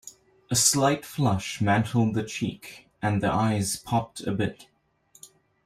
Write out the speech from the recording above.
A slight flush mantled the cheek, and the eyes popped a bit.